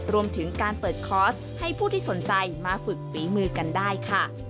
รวมถึงการเปิดคอร์สให้ผู้ที่สนใจมาฝึกฝีมือกันได้ค่ะ